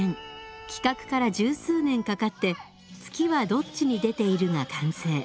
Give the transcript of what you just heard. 企画から十数年かかって「月はどっちに出ている」が完成。